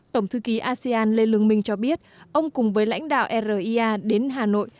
tổng thư ký asean lê lương minh cho biết ông cùng với lãnh đạo ria đến hà nội